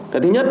cái thứ nhất